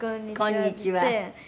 こんにちは。